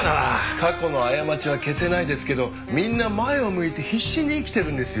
過去の過ちは消せないですけどみんな前を向いて必死に生きてるんですよ。